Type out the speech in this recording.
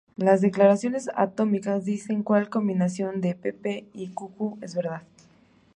Las declaraciones atómicas dicen cual combinación de pp y qq es verdad.